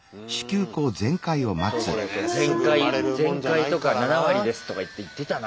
「全開」とか「７割です」とかいって言ってたな。